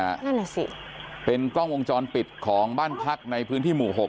นั่นแหละสิเป็นกล้องวงจรปิดของบ้านพักในพื้นที่หมู่หก